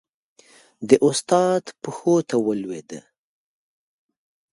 د استاد پښو ته ولوېده.